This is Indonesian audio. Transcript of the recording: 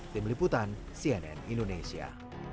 tim liputan cnn indonesia